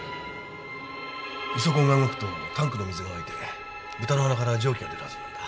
イソコンが動くとタンクの水が沸いて豚の鼻から蒸気が出るはずなんだ。